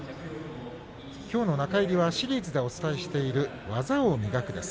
きょうの中入りはシリーズでお伝えしている「技を磨く」です。